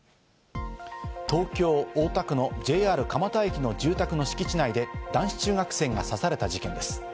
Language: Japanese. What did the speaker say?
東京・大田区のＪＲ蒲田駅の住宅の敷地内で、男子中学生が刺された事件です。